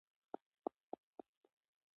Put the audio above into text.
هغه د ټولو ستونزو حل کونکی دی.